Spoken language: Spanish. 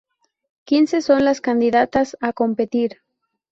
Quince son las candidatas a competir.